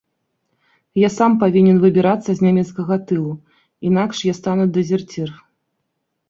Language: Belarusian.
Я сам павінен выбірацца з нямецкага тылу, інакш я стану дэзерцір.